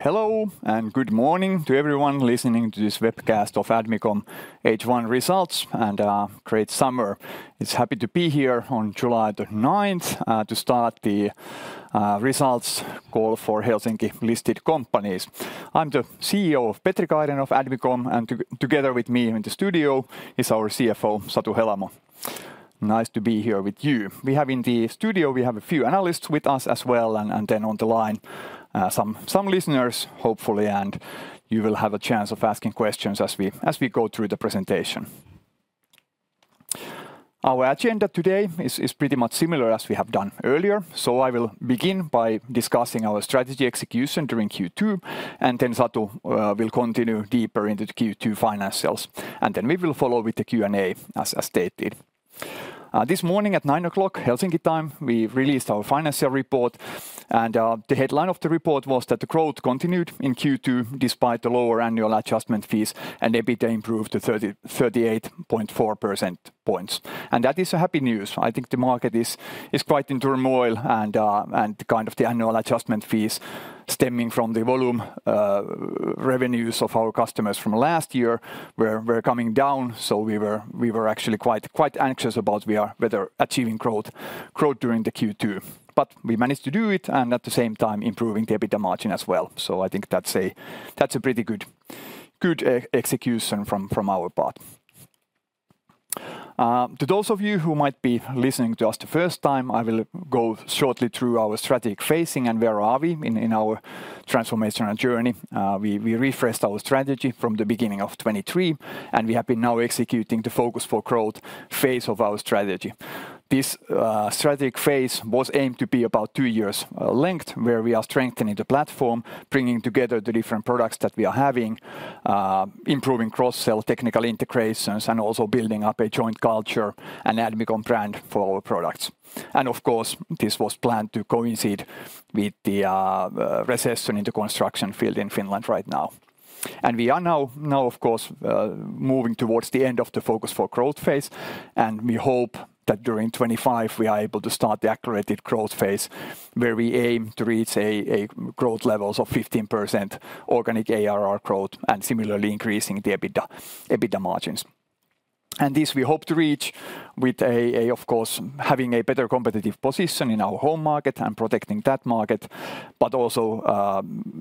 Hello and good morning to everyone listening to this webcast of Admicom H1 Results and Great Summer. We're happy to be here on July 9th to start the results call for Helsinki-listed companies. I'm the CEO, Petri Aho, of Admicom, and together with me in the studio is our CFO, Satu Helamo. Nice to be here with you. We have a few analysts with us as well, and then on the line, some listeners, hopefully, and you will have a chance of asking questions as we go through the presentation. Our agenda today is pretty much similar as we have done earlier, so I will begin by discussing our strategy execution during Q2, and then Satu will continue deeper into the Q2 financials, and then we will follow with the Q&A as stated. This morning at 9:00 A.M., Helsinki time, we released our financial report, and the headline of the report was that the growth continued in Q2 despite the lower annual adjustment fees, and EBITDA improved to 38.4 percentage points. That is happy news. I think the market is quite in turmoil, and kind of the annual adjustment fees stemming from the volume revenues of our customers from last year were coming down, so we were actually quite anxious about whether achieving growth during the Q2. But we managed to do it, and at the same time improving the EBITDA margin as well. So I think that's a pretty good execution from our part. To those of you who might be listening to us the first time, I will go shortly through our strategic phasing and where are we in our transformational journey. We refreshed our strategy from the beginning of 2023, and we have been now executing the Focus for Growth phase of our strategy. This strategic phase was aimed to be about two years length, where we are strengthening the platform, bringing together the different products that we are having, improving cross-sell technical integrations, and also building up a joint culture and Admicom brand for our products. Of course, this was planned to coincide with the recession in the construction field in Finland right now. We are now, of course, moving towards the end of the Focus for Growth phase, and we hope that during 2025 we are able to start the accelerated growth phase, where we aim to reach a growth level of 15% organic ARR growth and similarly increasing the EBITDA margins. And this we hope to reach with, of course, having a better competitive position in our home market and protecting that market, but also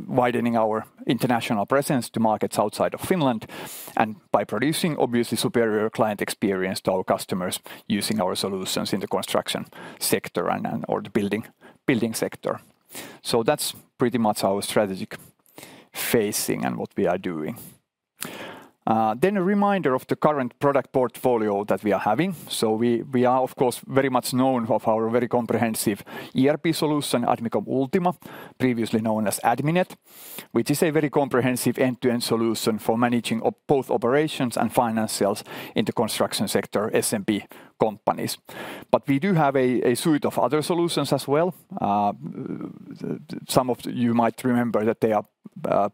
widening our international presence to markets outside of Finland, and by producing, obviously, superior client experience to our customers using our solutions in the construction sector and/or the building sector. That's pretty much our strategic phasing and what we are doing. A reminder of the current product portfolio that we are having. We are, of course, very much known for our very comprehensive ERP solution, Admicom Ultima, previously known as Adminet, which is a very comprehensive end-to-end solution for managing both operations and financials in the construction sector SMB companies. We do have a suite of other solutions as well. Some of you might remember that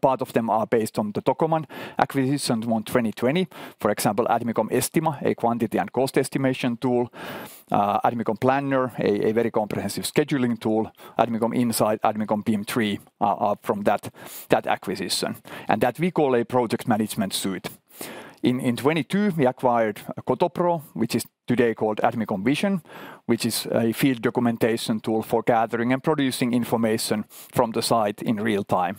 part of them are based on the Tocoman acquisition from 2020. For example, Admicom Estima, a quantity and cost estimation tool. Admicom Planner, a very comprehensive scheduling tool. Admicom Insight, Admicom BIM3 are from that acquisition. And that we call a project management suite. In 2022, we acquired Kotopro, which is today called Admicom Vision, which is a field documentation tool for gathering and producing information from the site in real time.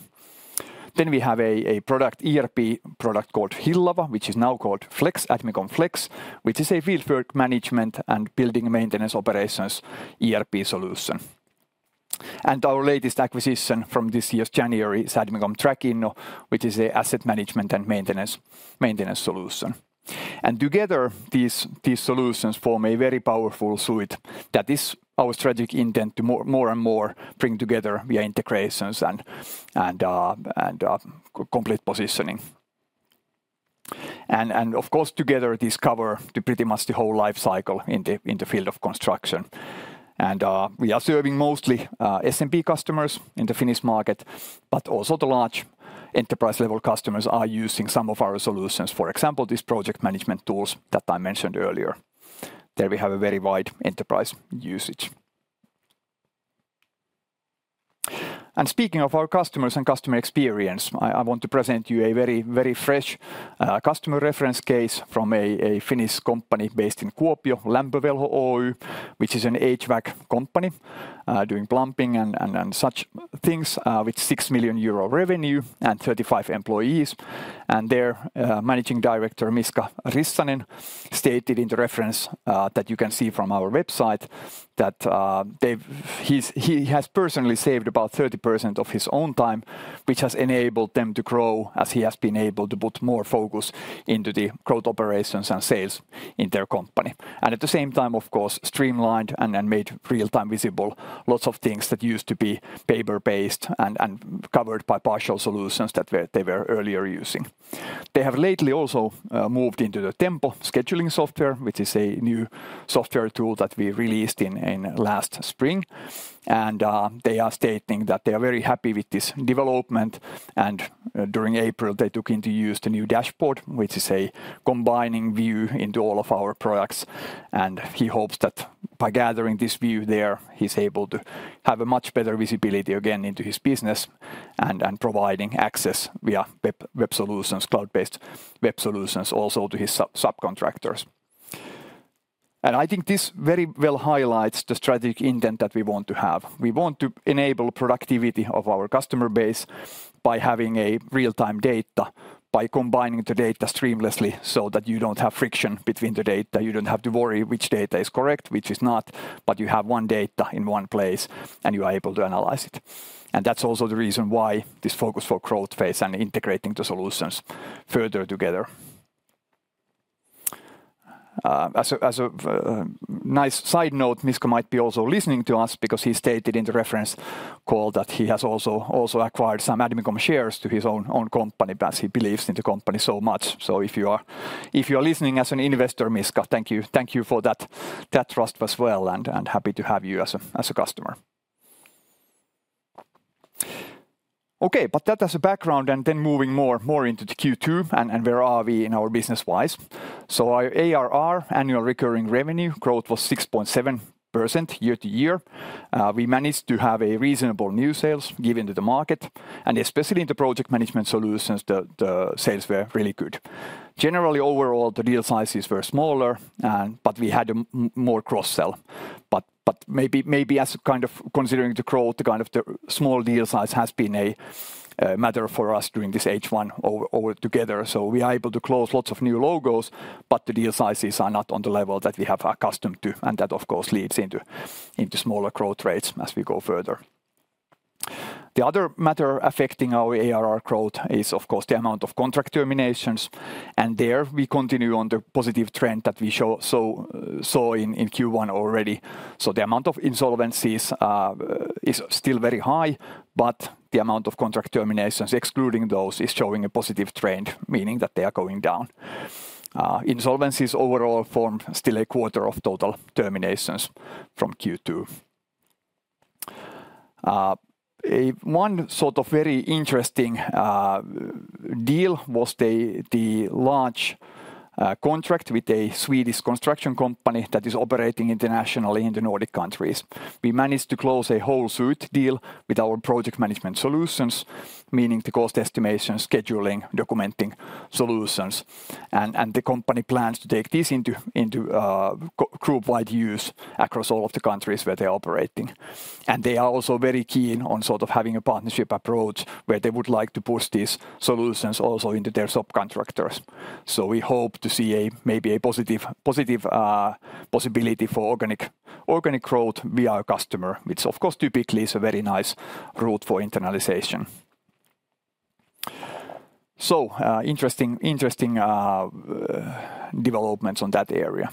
Then we have a product, ERP product called Hillava, which is now called Flex, Admicom Flex, which is a fieldwork management and building maintenance operations ERP solution. And our latest acquisition from this year's January is Admicom Trackinno, which is an asset management and maintenance solution. And together, these solutions form a very powerful suite that is our strategic intent to more and more bring together via integrations and complete positioning. And of course, together this covers pretty much the whole lifecycle in the field of construction. We are serving mostly SMB customers in the Finnish market, but also the large enterprise-level customers are using some of our solutions, for example, these project management tools that I mentioned earlier. There we have a very wide enterprise usage. Speaking of our customers and customer experience, I want to present you a very fresh customer reference case from a Finnish company based in Kuopio, Lämpövelho Oy, which is an HVAC company doing plumbing and such things with 6 million euro revenue and 35 employees. Their managing director, Miska Rissanen, stated in the reference that you can see from our website that he has personally saved about 30% of his own time, which has enabled them to grow as he has been able to put more focus into the growth operations and sales in their company. At the same time, of course, streamlined and made real-time visible lots of things that used to be paper-based and covered by partial solutions that they were earlier using. They have lately also moved into the Tempo scheduling software, which is a new software tool that we released in last spring. They are stating that they are very happy with this development. During April, they took into use the new dashboard, which is a combining view into all of our products. He hopes that by gathering this view there, he's able to have a much better visibility again into his business and providing access via web solutions, cloud-based web solutions also to his subcontractors. I think this very well highlights the strategic intent that we want to have. We want to enable productivity of our customer base by having real-time data, by combining the data seamlessly so that you don't have friction between the data. You don't have to worry which data is correct, which is not, but you have one data in one place and you are able to analyze it. That's also the reason why this Focus for Growth phase and integrating the solutions further together. As a nice side note, Miska might be also listening to us because he stated in the reference call that he has also acquired some Admicom shares to his own company because he believes in the company so much. So if you are listening as an investor, Miska, thank you for that trust as well and happy to have you as a customer. Okay, but that as a background and then moving more into the Q2 and where are we in our business wise. So our ARR, annual recurring revenue, growth was 6.7% year-over-year. We managed to have a reasonable new sales given to the market and especially in the project management solutions, the sales were really good. Generally overall, the deal sizes were smaller, but we had more cross-sell. But maybe as a kind of considering the growth, the kind of the small deal size has been a matter for us during this H1 overall. So we are able to close lots of new logos, but the deal sizes are not on the level that we are accustomed to. And that, of course, leads into smaller growth rates as we go further. The other matter affecting our ARR growth is, of course, the amount of contract terminations. There we continue on the positive trend that we saw in Q1 already. So the amount of insolvencies is still very high, but the amount of contract terminations, excluding those, is showing a positive trend, meaning that they are going down. Insolvencies overall form still a quarter of total terminations from Q2. One sort of very interesting deal was the large contract with a Swedish construction company that is operating internationally in the Nordic countries. We managed to close a whole suite deal with our project management solutions, meaning the cost estimation, scheduling, documenting solutions. And the company plans to take this into group-wide use across all of the countries where they are operating. And they are also very keen on sort of having a partnership approach where they would like to push these solutions also into their subcontractors. So we hope to see maybe a positive possibility for organic growth via a customer, which of course typically is a very nice route for internationalization. So interesting developments on that area.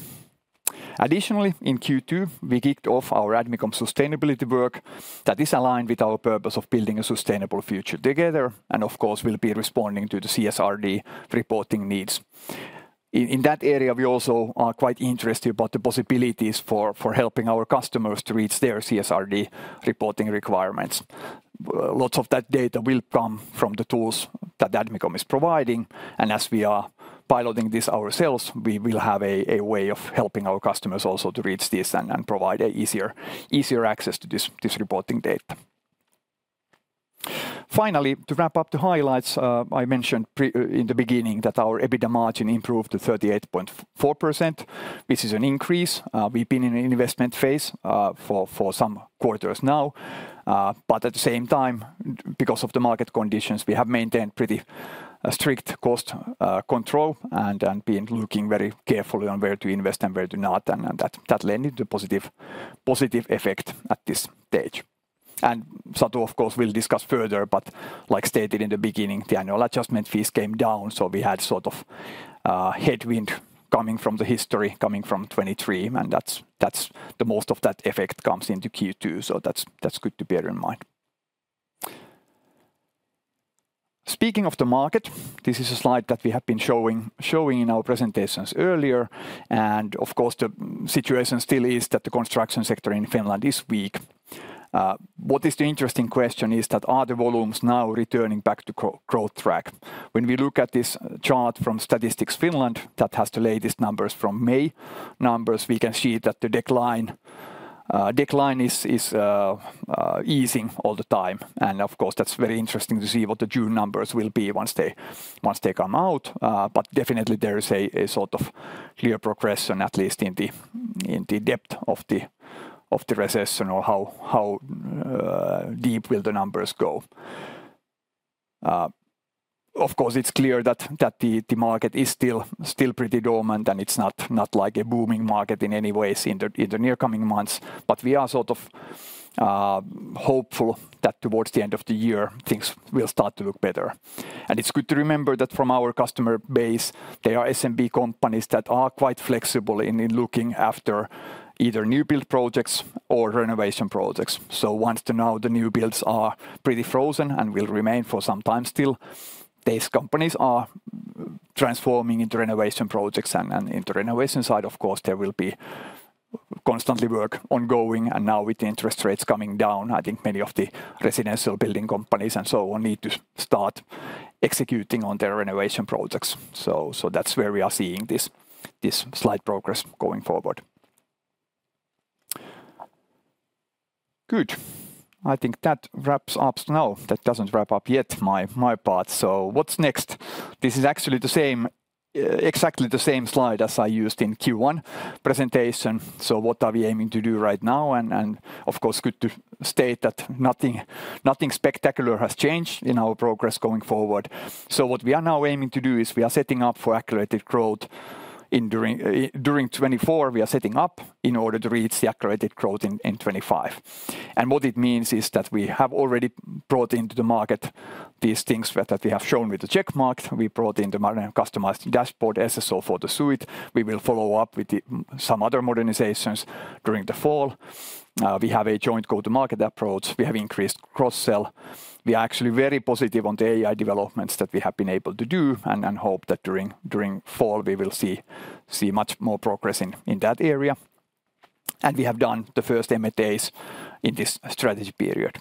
Additionally, in Q2, we kicked off our Admicom sustainability work that is aligned with our purpose of building a sustainable future together, and of course will be responding to the CSRD reporting needs. In that area, we also are quite interested about the possibilities for helping our customers to reach their CSRD reporting requirements. Lots of that data will come from the tools that Admicom is providing. And as we are piloting this ourselves, we will have a way of helping our customers also to reach this and provide easier access to this reporting data. Finally, to wrap up the highlights, I mentioned in the beginning that our EBITDA margin improved to 38.4%, which is an increase. We've been in an investment phase for some quarters now, but at the same time, because of the market conditions, we have maintained pretty strict cost control and been looking very carefully on where to invest and where to not, and that led to a positive effect at this stage. And Satu, of course, will discuss further, but like stated in the beginning, the annual adjustment fees came down, so we had sort of headwind coming from the history coming from 2023, and that's the most of that effect comes into Q2, so that's good to bear in mind. Speaking of the market, this is a slide that we have been showing in our presentations earlier, and of course the situation still is that the construction sector in Finland is weak. What is the interesting question is that are the volumes now returning back to growth track? When we look at this chart from Statistics Finland that has the latest numbers from May numbers, we can see that the decline is easing all the time. And of course, that's very interesting to see what the June numbers will be once they come out, but definitely there is a sort of clear progression, at least in the depth of the recession or how deep will the numbers go. Of course, it's clear that the market is still pretty dormant and it's not like a booming market in any way in the near coming months, but we are sort of hopeful that towards the end of the year things will start to look better. And it's good to remember that from our customer base, there are SMB companies that are quite flexible in looking after either new build projects or renovation projects. So, once now the new builds are pretty frozen and will remain for some time still, these companies are transforming into renovation projects and into the renovation side. Of course, there will be constantly work ongoing. And now with the interest rates coming down, I think many of the residential building companies and so on need to start executing on their renovation projects. So that's where we are seeing this slight progress going forward. Good. I think that wraps up now. That doesn't wrap up yet my part. So what's next? This is actually exactly the same slide as I used in Q1 presentation. So what are we aiming to do right now? And of course, good to state that nothing spectacular has changed in our progress going forward. So what we are now aiming to do is we are setting up for accelerated growth during 2024. We are setting up in order to reach the accelerated growth in 2025. What it means is that we have already brought into the market these things that we have shown with the check mark. We brought in the customized dashboard SSO for the suite. We will follow up with some other modernizations during the fall. We have a joint go-to-market approach. We have increased cross-sell. We are actually very positive on the AI developments that we have been able to do and hope that during fall we will see much more progress in that area. We have done the first M&As in this strategy period.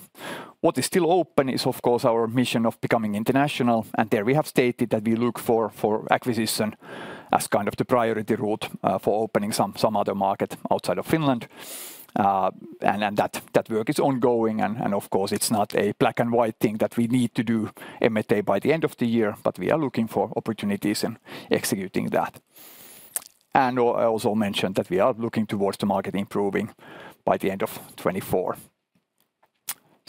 What is still open is, of course, our mission of becoming international. There we have stated that we look for acquisition as kind of the priority route for opening some other market outside of Finland. That work is ongoing. Of course, it's not a black and white thing that we need to do M&A by the end of the year, but we are looking for opportunities and executing that. I also mentioned that we are looking towards the market improving by the end of 2024.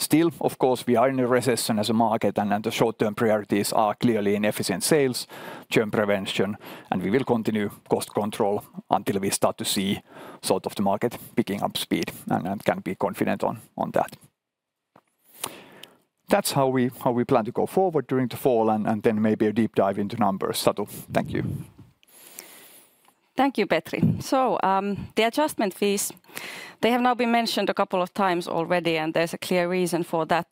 Still, of course, we are in a recession as a market and the short-term priorities are clearly inefficient sales, churn prevention, and we will continue cost control until we start to see sort of the market picking up speed and can be confident on that. That's how we plan to go forward during the fall and then maybe a deep dive into numbers. Satu, thank you. Thank you, Petri. So the adjustment fees, they have now been mentioned a couple of times already, and there's a clear reason for that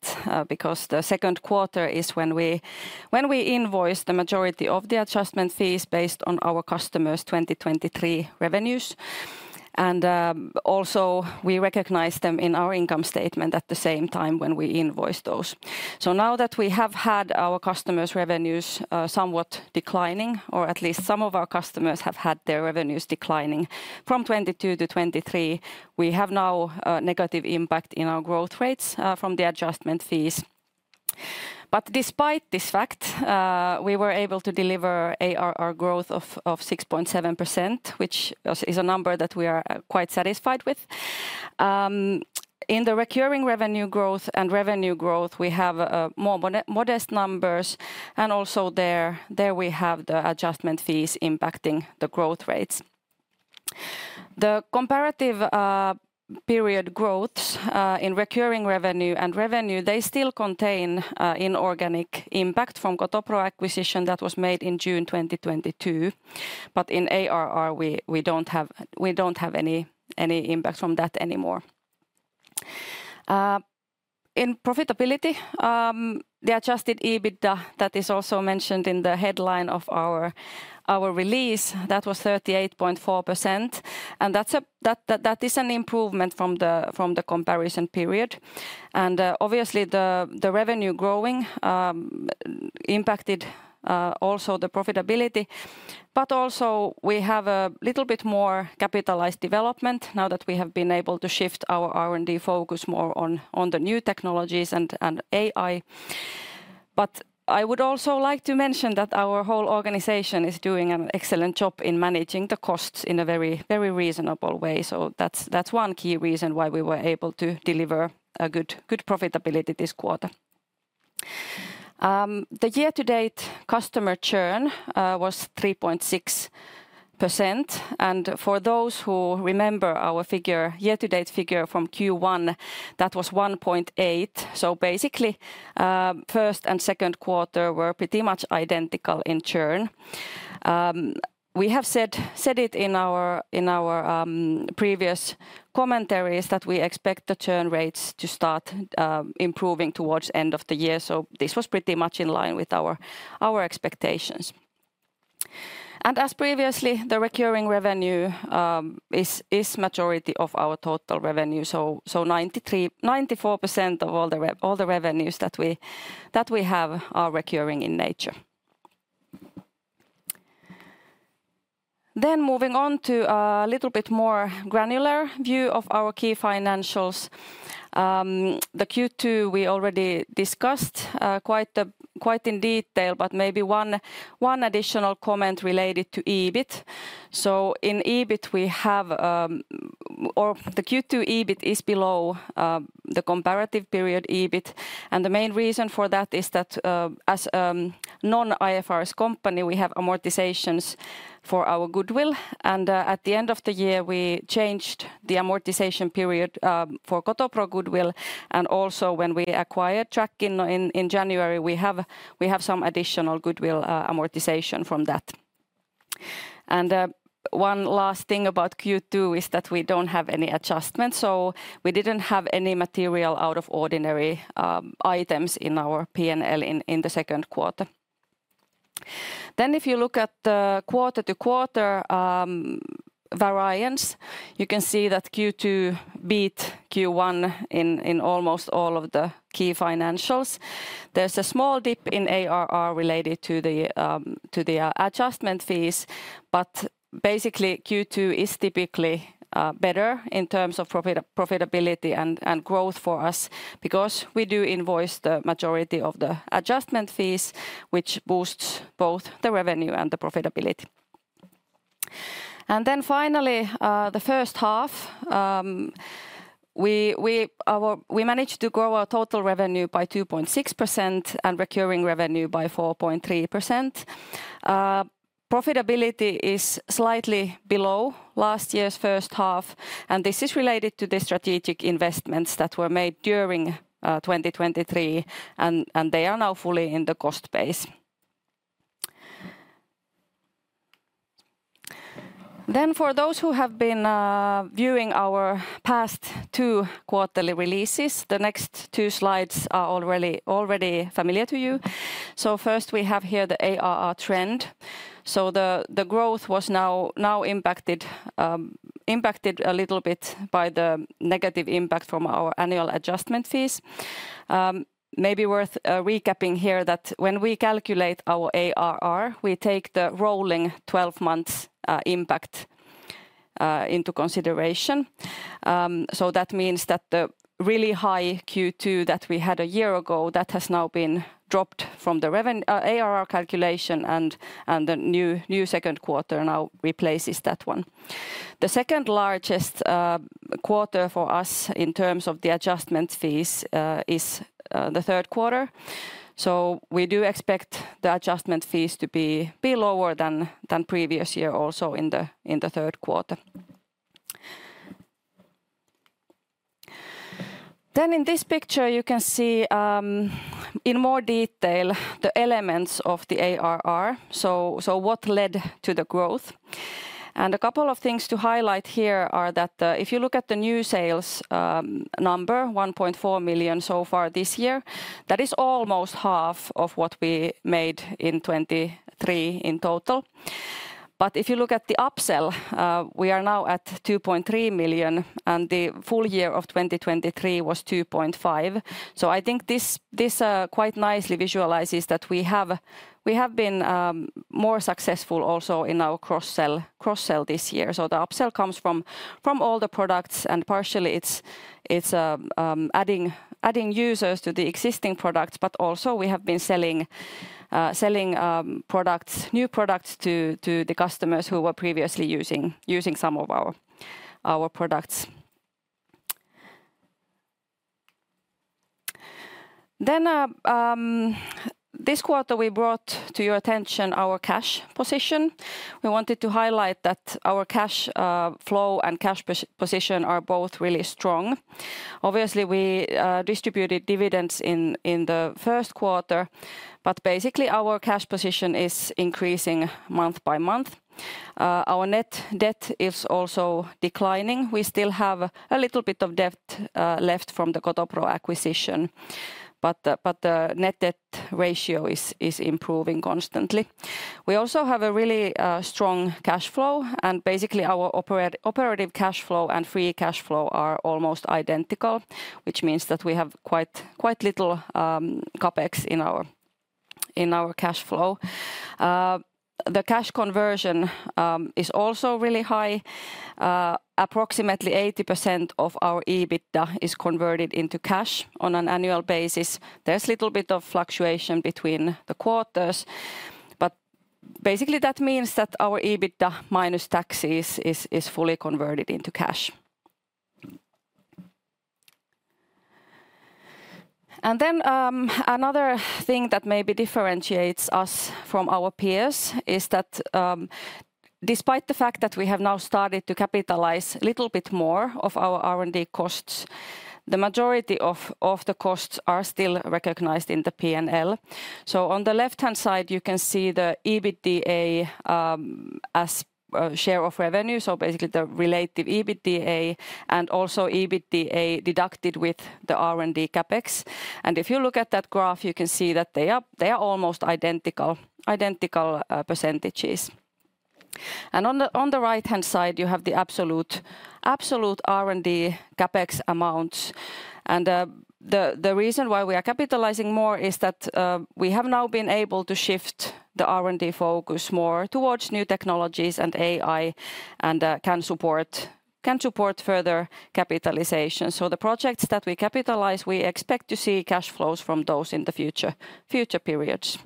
because the second quarter is when we invoice the majority of the adjustment fees based on our customers' 2023 revenues. And also we recognize them in our income statement at the same time when we invoice those. So now that we have had our customers' revenues somewhat declining, or at least some of our customers have had their revenues declining from 2022 to 2023, we have now a negative impact in our growth rates from the adjustment fees. But despite this fact, we were able to deliver our growth of 6.7%, which is a number that we are quite satisfied with. In the recurring revenue growth and revenue growth, we have more modest numbers, and also there we have the adjustment fees impacting the growth rates. The comparative period growths in recurring revenue and revenue, they still contain inorganic impact from Kotopro acquisition that was made in June 2022, but in ARR we don't have any impact from that anymore. In profitability, the adjusted EBITDA that is also mentioned in the headline of our release, that was 38.4%, and that is an improvement from the comparison period. And obviously, the revenue growing impacted also the profitability, but also we have a little bit more capitalized development now that we have been able to shift our R&D focus more on the new technologies and AI. But I would also like to mention that our whole organization is doing an excellent job in managing the costs in a very reasonable way. So that's one key reason why we were able to deliver a good profitability this quarter. The year-to-date customer churn was 3.6%, and for those who remember our year-to-date figure from Q1, that was 1.8%. Basically, first and second quarter were pretty much identical in churn. We have said it in our previous commentaries that we expect the churn rates to start improving towards the end of the year. This was pretty much in line with our expectations. As previously, the recurring revenue is the majority of our total revenue. 94% of all the revenues that we have are recurring in nature. Moving on to a little bit more granular view of our key financials. The Q2 we already discussed quite in detail, but maybe one additional comment related to EBIT. So in EBIT, we have—or the Q2 EBIT is below the comparative period EBIT—and the main reason for that is that, as a non-IFRS company, we have amortizations for our goodwill. And at the end of the year, we changed the amortization period for Kotopro goodwill, and also when we acquired Trackinno in January, we have some additional goodwill amortization from that. And one last thing about Q2 is that we don't have any adjustments, so we didn't have any material out of ordinary items in our P&L in the second quarter. Then if you look at the quarter-to-quarter variance, you can see that Q2 beat Q1 in almost all of the key financials. There's a small dip in ARR related to the adjustment fees, but basically Q2 is typically better in terms of profitability and growth for us because we do invoice the majority of the adjustment fees, which boosts both the revenue and the profitability. Then finally, the first half, we managed to grow our total revenue by 2.6% and recurring revenue by 4.3%. Profitability is slightly below last year's first half, and this is related to the strategic investments that were made during 2023, and they are now fully in the cost base. For those who have been viewing our past two quarterly releases, the next two slides are already familiar to you. So first we have here the ARR trend. The growth was now impacted a little bit by the negative impact from our annual adjustment fees. Maybe worth recapping here that when we calculate our ARR, we take the rolling 12 months impact into consideration. So that means that the really high Q2 that we had a year ago, that has now been dropped from the ARR calculation, and the new second quarter now replaces that one. The second largest quarter for us in terms of the adjustment fees is the third quarter. So we do expect the adjustment fees to be lower than previous year also in the third quarter. Then in this picture, you can see in more detail the elements of the ARR, so what led to the growth. And a couple of things to highlight here are that if you look at the new sales number, 1.4 million so far this year, that is almost half of what we made in 2023 in total. If you look at the upsell, we are now at 2.3 million, and the full year of 2023 was 2.5 million. I think this quite nicely visualizes that we have been more successful also in our cross-sell this year. The upsell comes from all the products, and partially it's adding users to the existing products, but also we have been selling new products to the customers who were previously using some of our products. This quarter we brought to your attention our cash position. We wanted to highlight that our cash flow and cash position are both really strong. Obviously, we distributed dividends in the first quarter, but basically our cash position is increasing month by month. Our net debt is also declining. We still have a little bit of debt left from the Kotopro acquisition, but the net debt ratio is improving constantly. We also have a really strong cash flow, and basically our operative cash flow and free cash flow are almost identical, which means that we have quite little CapEx in our cash flow. The cash conversion is also really high. Approximately 80% of our EBITDA is converted into cash on an annual basis. There's a little bit of fluctuation between the quarters, but basically that means that our EBITDA minus taxes is fully converted into cash. And then another thing that maybe differentiates us from our peers is that despite the fact that we have now started to capitalize a little bit more of our R&D costs, the majority of the costs are still recognized in the P&L. So on the left-hand side, you can see the EBITDA as share of revenue, so basically the relative EBITDA and also EBITDA deducted with the R&D CapEx. If you look at that graph, you can see that they are almost identical percentages. On the right-hand side, you have the absolute R&D CapEx amounts. The reason why we are capitalizing more is that we have now been able to shift the R&D focus more towards new technologies and AI and can support further capitalization. So the projects that we capitalize, we expect to see cash flows from those in the future periods.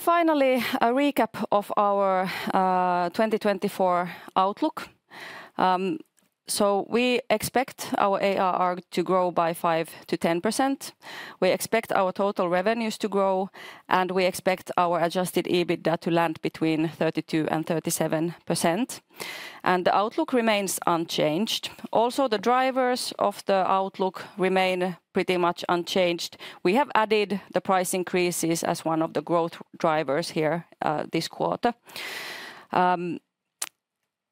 Finally, a recap of our 2024 outlook. We expect our ARR to grow by 5%-10%. We expect our total revenues to grow, and we expect our adjusted EBITDA to land between 32%-37%. The outlook remains unchanged. Also, the drivers of the outlook remain pretty much unchanged. We have added the price increases as one of the growth drivers here this quarter.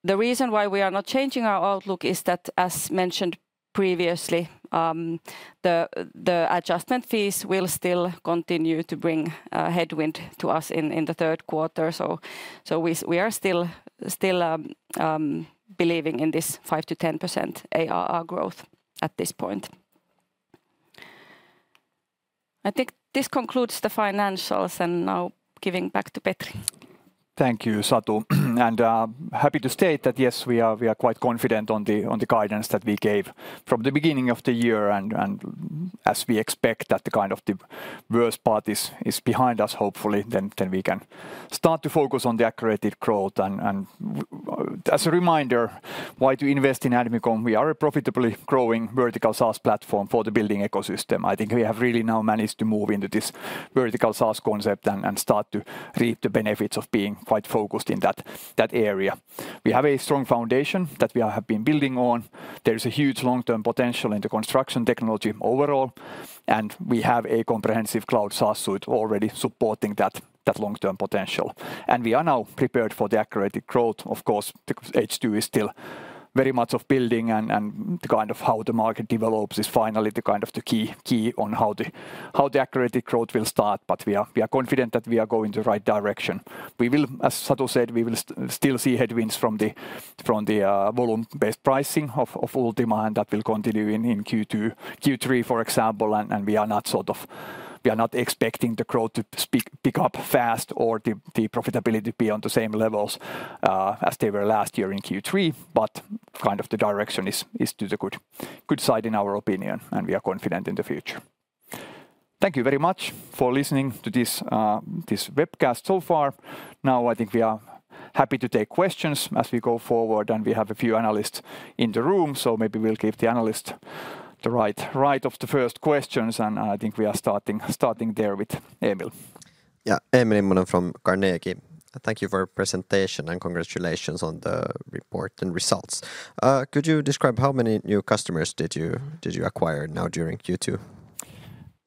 The reason why we are not changing our outlook is that, as mentioned previously, the adjustment fees will still continue to bring headwind to us in the third quarter. So we are still believing in this 5%-10% ARR growth at this point. I think this concludes the financials, and now giving back to Petri. Thank you, Satu. We are quite confident on the guidance that we gave from the beginning of the year. As we expect that the kind of the worst part is behind us, hopefully, then we can start to focus on the actual growth. As a reminder, why to invest in Admicom? We are a profitably growing vertical SaaS platform for the building ecosystem. I think we have really now managed to move into this vertical SaaS concept and start to reap the benefits of being quite focused in that area. We have a strong foundation that we have been building on. There is a huge long-term potential in the construction technology overall, and we have a comprehensive cloud SaaS suite already supporting that long-term potential. We are now prepared for the accelerated growth. Of course, the H2 is still very much of building, and the kind of how the market develops is finally the kind of the key on how the accelerated growth will start. But we are confident that we are going in the right direction. We will, as Satu said, we will still see headwinds from the volume-based pricing of Ultima, and that will continue in Q2, Q3, for example. We are not sort of, we are not expecting the growth to pick up fast or the profitability to be on the same levels as they were last year in Q3. But kind of the direction is to the good side in our opinion, and we are confident in the future. Thank you very much for listening to this webcast so far. Now I think we are happy to take questions as we go forward, and we have a few analysts in the room, so maybe we'll give the analyst the right of the first questions. And I think we are starting there with Emil. Yeah, Emil Immonen from Carnegie. Thank you for your presentation and congratulations on the report and results. Could you describe how many new customers did you acquire now during Q2?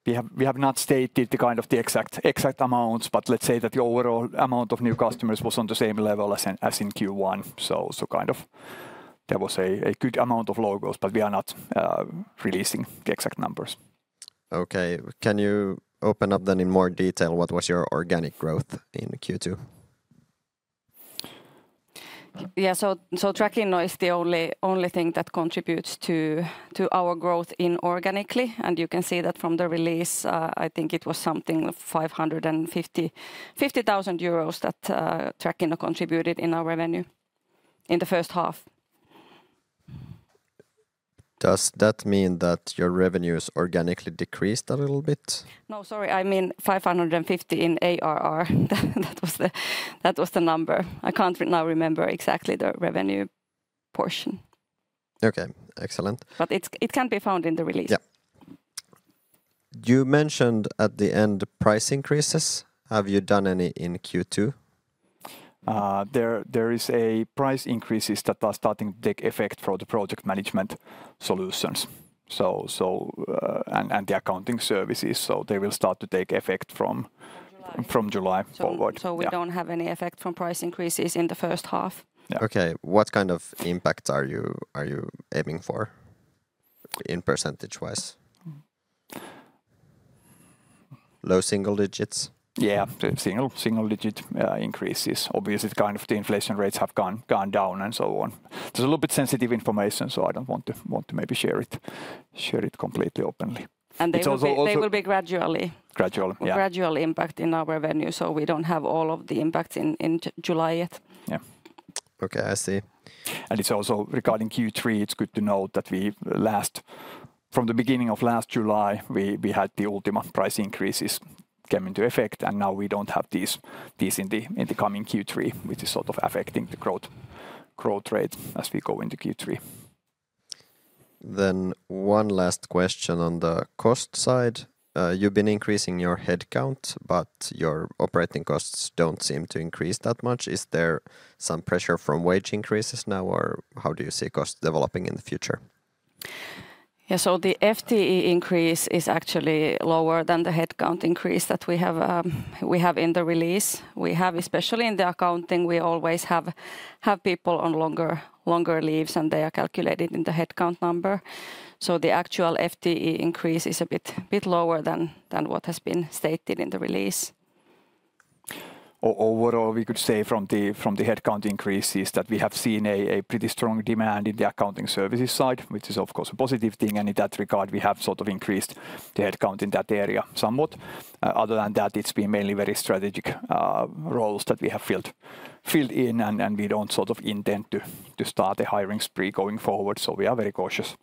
We have not stated the kind of the exact amounts, but let's say that the overall amount of new customers was on the same level as in Q1. So kind of there was a good amount of logos, but we are not releasing the exact numbers. Okay, can you open up then in more detail what was your organic growth in Q2? Yeah, so Trackinno is the only thing that contributes to our growth in organically. And you can see that from the release, I think it was something of 550,000 euros that Trackinno contributed in our revenue in the first half. Does that mean that your revenues organically decreased a little bit? No, sorry, I mean 550 in ARR. That was the number. I can't now remember exactly the revenue portion. Okay, excellent. But it can be found in the release. Yeah. You mentioned at the end price increases. Have you done any in Q2? There is a price increase that are starting to take effect for the project management solutions and the accounting services. So they will start to take effect from July forward. So we don't have any effect from price increases in the first half. Okay, what kind of impact are you aiming for in percentage-wise? Low single digits? Yeah, single digit increases. Obviously, kind of the inflation rates have gone down and so on. It's a little bit sensitive information, so I don't want to maybe share it completely openly. And they will be gradually. Gradual impact in our revenue, so we don't have all of the impact in July yet. Yeah. Okay, I see. And it's also regarding Q3. It's good to note that we last, from the beginning of last July, we had the Ultima price increases come into effect, and now we don't have these in the coming Q3, which is sort of affecting the growth rate as we go into Q3. Then one last question on the cost side. You've been increasing your headcount, but your operating costs don't seem to increase that much. Is there some pressure from wage increases now, or how do you see costs developing in the future? Yeah, so the FTE increase is actually lower than the headcount increase that we have in the release. We have, especially in the accounting, we always have people on longer leaves, and they are calculated in the headcount number. So the actual FTE increase is a bit lower than what has been stated in the release. Overall, we could say from the headcount increase is that we have seen a pretty strong demand in the accounting services side, which is of course a positive thing. In that regard, we have sort of increased the headcount in that area somewhat. Other than that, it's been mainly very strategic roles that we have filled in, and we don't sort of intend to start a hiring spree going forward. So we are very cautious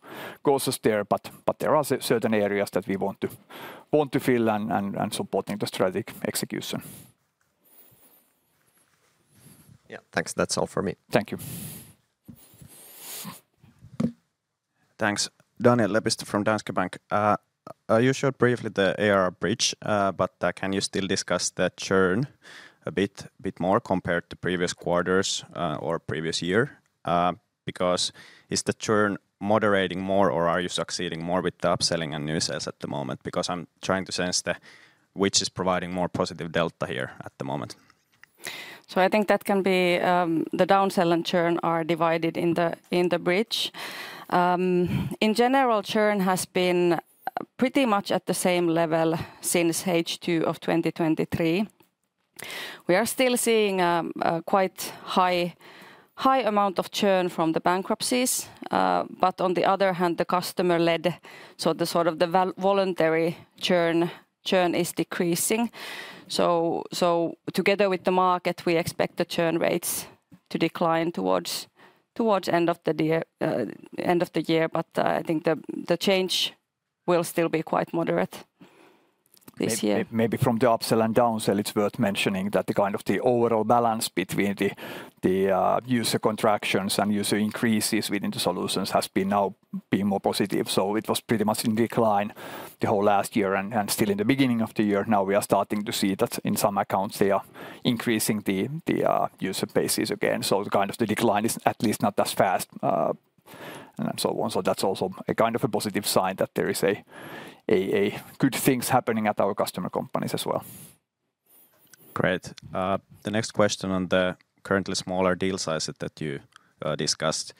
there, but there are certain areas that we want to fill and supporting the strategic execution. Yeah, thanks. That's all for me. Thank you. Thanks. Daniel Lepistö from Danske Bank. You showed briefly the ARR bridge, but can you still discuss the churn a bit more compared to previous quarters or previous year? Because is the churn moderating more, or are you succeeding more with the upselling and new sales at the moment? Because I'm trying to sense which is providing more positive delta here at the moment. So I think that can be the downsell and churn are divided in the bridge. In general, churn has been pretty much at the same level since H2 of 2023. We are still seeing a quite high amount of churn from the bankruptcies. But on the other hand, the customer-led, so the sort of the voluntary churn is decreasing. So together with the market, we expect the churn rates to decline towards end of the year. But I think the change will still be quite moderate this year. Maybe from the upsell and downsell, it's worth mentioning that the kind of the overall balance between the user contractions and user increases within the solutions has now been more positive. So it was pretty much in decline the whole last year and still in the beginning of the year. Now we are starting to see that in some accounts they are increasing the user bases again. So the kind of the decline is at least not as fast and so on. So that's also a kind of a positive sign that there is a good thing happening at our customer companies as well. Great. The next question on the currently smaller deal sizes that you discussed,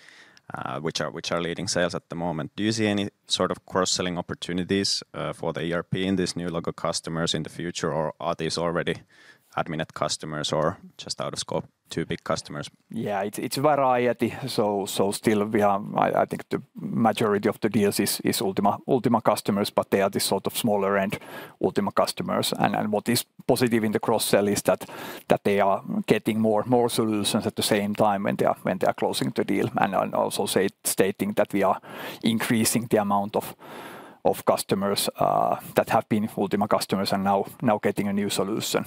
which are leading sales at the moment. Do you see any sort of cross-selling opportunities for the ERP in these new local customers in the future, or are these already Adminet customers or just out of scope to big customers? Yeah, it's variety. So still we have, I think the majority of the deals is Ultima customers, but they are this sort of smaller end Ultima customers. And what is positive in the cross-sell is that they are getting more solutions at the same time when they are closing the deal. And also stating that we are increasing the amount of customers that have been Ultima customers and now getting a new solution.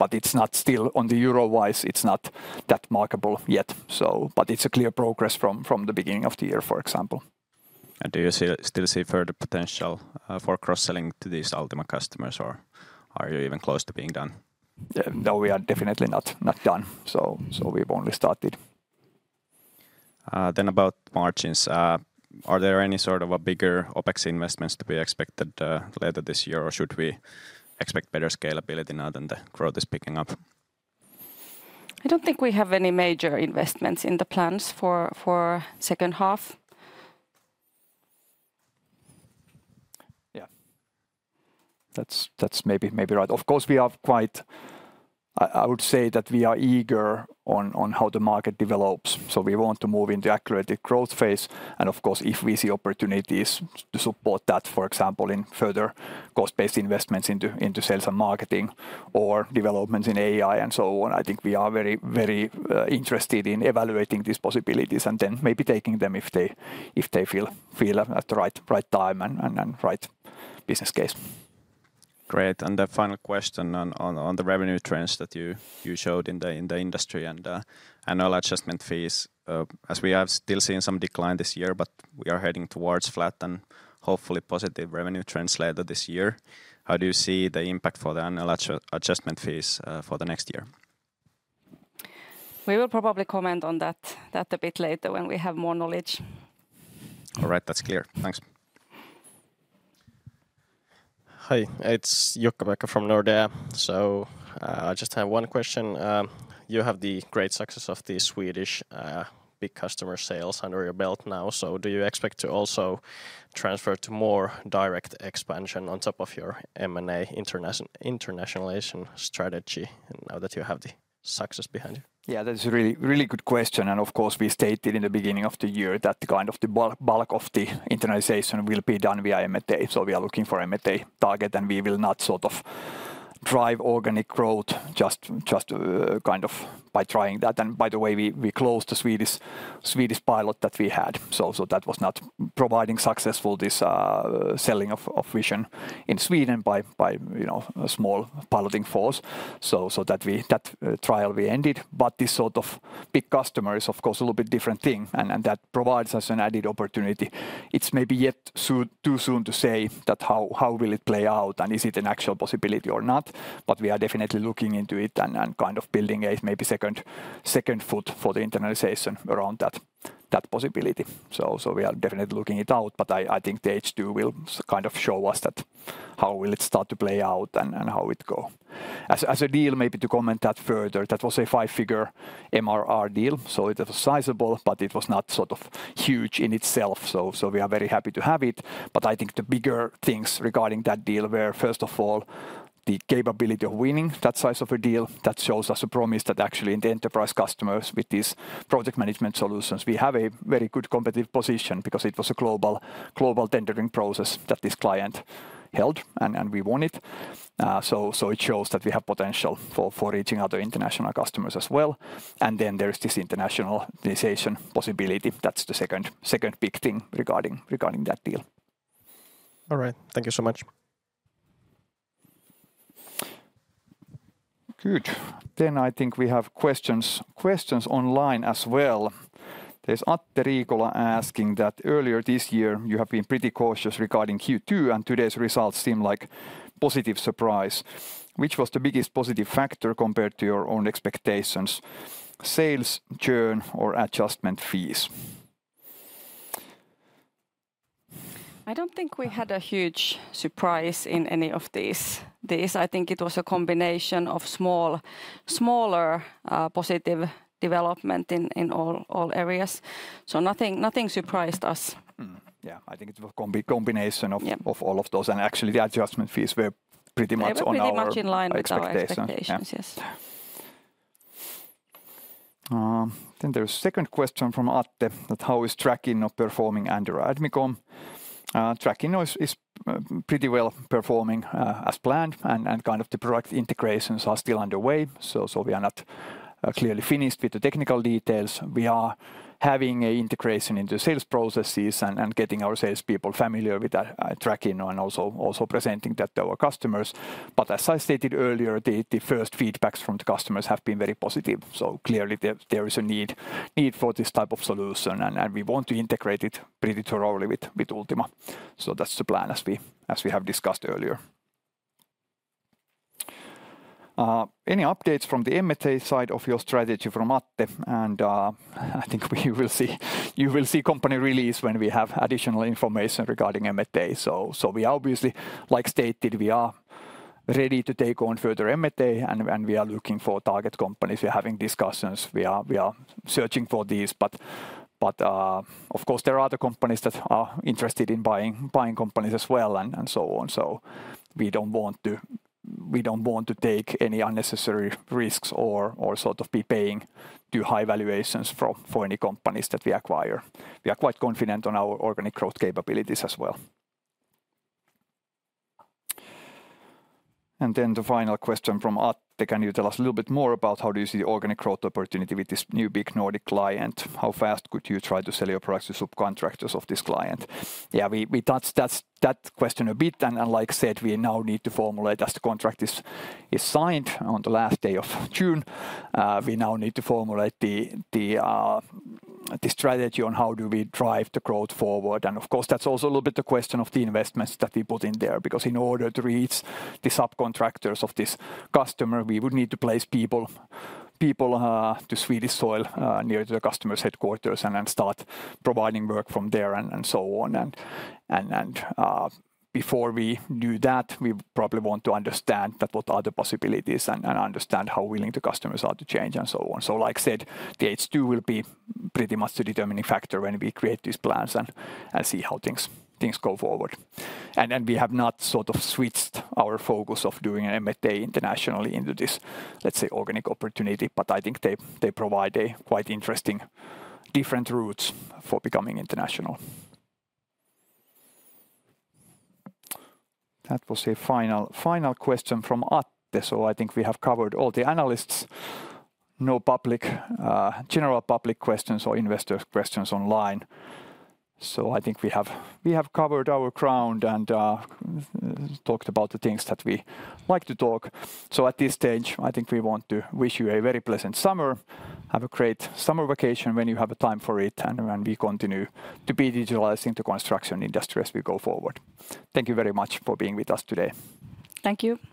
But it's not still on the euro wise, it's not that remarkable yet. But it's a clear progress from the beginning of the year, for example. Do you still see further potential for cross-selling to these Ultima customers, or are you even close to being done? No, we are definitely not done. So we've only started. Then about margins, are there any sort of bigger OpEx investments to be expected later this year, or should we expect better scalability now than the growth is picking up? I don't think we have any major investments in the plans for second half. Yeah. That's maybe right. Of course, we have quite, I would say that we are eager on how the market develops. So we want to move into accelerated growth phase. And of course, if we see opportunities to support that, for example, in further cost-based investments into sales and marketing or developments in AI and so on, I think we are very interested in evaluating these possibilities and then maybe taking them if they feel at the right time and right business case. Great. And the final question on the revenue trends that you showed in the industry and annual adjustment fees, as we have still seen some decline this year, but we are heading towards flat and hopefully positive revenue trends later this year. How do you see the impact for the annual adjustment fees for the next year? We will probably comment on that a bit later when we have more knowledge. All right, that's clear. Thanks. Hi, it's Jukka Bäckman from Nordea. So I just have one question. You have the great success of the Swedish big customer sales under your belt now. So do you expect to also transfer to more direct expansion on top of your M&A internationalization strategy now that you have the success behind you? Yeah, that's a really good question. Of course, we stated in the beginning of the year that kind of the bulk of the internationalization will be done via M&A. So we are looking for M&A target, and we will not sort of drive organic growth just kind of by trying that. And by the way, we closed the Swedish pilot that we had. So that was not providing successful selling of Vision in Sweden by small piloting force. So that trial we ended. But this sort of big customer is of course a little bit different thing, and that provides us an added opportunity. It's maybe yet too soon to say that how will it play out and is it an actual possibility or not. But we are definitely looking into it and kind of building a maybe second foot for the internationalization around that possibility. So we are definitely looking it out, but I think the H2 will kind of show us that how will it start to play out and how it goes. As a deal, maybe to comment that further, that was a five-figure MRR deal. So it was sizable, but it was not sort of huge in itself. So we are very happy to have it. But I think the bigger things regarding that deal were, first of all, the capability of winning that size of a deal. That shows us a promise that actually in the enterprise customers with these project management solutions, we have a very good competitive position because it was a global tendering process that this client held and we won it. So it shows that we have potential for reaching other international customers as well. And then there's this internationalization possibility. That's the second big thing regarding that deal. All right. Thank you so much. Good. Then I think we have questions online as well. There's Atte Riikola asking that earlier this year you have been pretty cautious regarding Q2 and today's results seem like positive surprise. Which was the biggest positive factor compared to your own expectations? Sales, churn, or adjustment fees? I don't think we had a huge surprise in any of these. I think it was a combination of smaller positive development in all areas. So nothing surprised us. Yeah, I think it was a combination of all of those. And actually the adjustment fees were pretty much in line with our expectations. I think there's a second question from Atte that how is Trackinno performing under Admicom? Trackinno is pretty well performing as planned and kind of the product integrations are still underway. So we are not clearly finished with the technical details. We are having an integration into sales processes and getting our salespeople familiar with Trackinno and also presenting that to our customers. But as I stated earlier, the first feedback from the customers has been very positive. So clearly there is a need for this type of solution and we want to integrate it pretty thoroughly with Ultima. So that's the plan as we have discussed earlier. Any updates from the M&A side of your strategy from Atte? And I think you will see company release when we have additional information regarding M&A. So we obviously, like stated, we are ready to take on further M&A and we are looking for target companies. We are having discussions. We are searching for these. But of course, there are other companies that are interested in buying companies as well and so on. So we don't want to take any unnecessary risks or sort of be paying too high valuations for any companies that we acquire. We are quite confident on our organic growth capabilities as well. And then the final question from Atte. Can you tell us a little bit more about how do you see the organic growth opportunity with this new big Nordic client? How fast could you try to sell your products to subcontractors of this client? Yeah, we touched that question a bit. And like said, we now need to formulate, as the contract is signed on the last day of June. We now need to formulate the strategy on how do we drive the growth forward. And of course, that's also a little bit the question of the investments that we put in there. Because in order to reach the subcontractors of this customer, we would need to place people to Swedish soil near to the customer's headquarters and start providing work from there and so on. And before we do that, we probably want to understand what are the possibilities and understand how willing the customers are to change and so on. So like said, the H2 will be pretty much the determining factor when we create these plans and see how things go forward. And we have not sort of switched our focus of doing an M&A internationally into this, let's say, organic opportunity. But I think they provide a quite interesting different route for becoming international. That was a final question from Atte. So I think we have covered all the analysts. No general public questions or investor questions online. I think we have covered our ground and talked about the things that we like to talk. At this stage, I think we want to wish you a very pleasant summer. Have a great summer vacation when you have time for it. We continue to be digitalizing the construction industry as we go forward. Thank you very much for being with us today. Thank you.